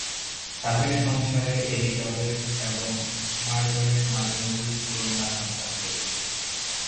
তাদের সংসারে এলিজাবেথ এবং মার্গারেট নামীয় দুই কন্যা সন্তান রয়েছে।